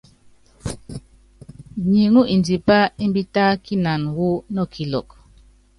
Nyiŋú indipá imbítákinan wu nɔkilɔk.